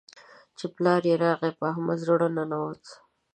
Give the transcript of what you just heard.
چې پلار يې راغی؛ په احمد زړه ننوت.